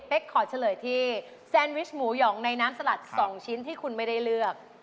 ขอเฉลยที่แซนวิชหมูหองในน้ำสลัด๒ชิ้นที่คุณไม่ได้เลือก